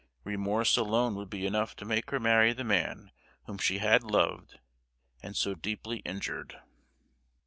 Remorse alone would be enough to make her marry the man whom she had loved and so deeply injured!"